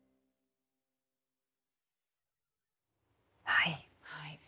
はい。